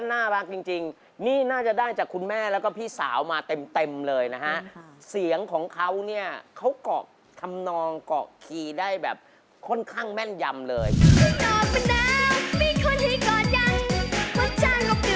หนอกไปน้ำมีคนให้กอดยังมาจ้างออกเดี๋ยวจังให้ผีระวังล้างให้ดีกว่า